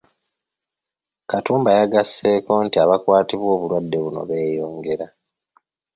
Katumba yagasseeko nti abakwatibwa obulwadde buno beeyongera.